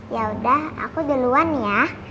ya udah aku duluan ya